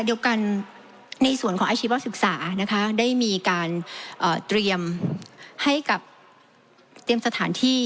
เดี๋ยวกันในส่วนของอาชีวะศึกษาได้มีการเตรียมสถานที่